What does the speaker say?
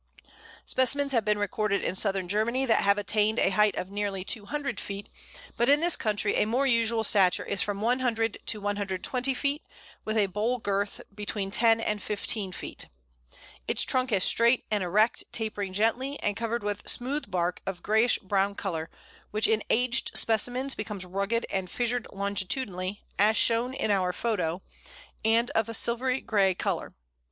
Specimens have been recorded in Southern Germany that have attained a height of nearly 200 feet, but in this country a more usual stature is from 100 to 120 feet, with a bole girth between 10 and 15 feet. Its trunk is straight and erect, tapering gently, and covered with smooth bark, of a greyish brown colour, which in aged specimens becomes rugged and fissured longitudinally, as shown in our photo, and of a silvery grey colour.